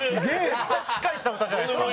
めっちゃしっかりした歌じゃないですか。